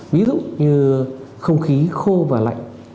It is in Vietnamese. ví dụ như không khí khô và lạnh